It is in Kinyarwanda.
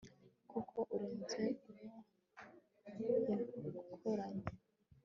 koko urenze uwo yahoranye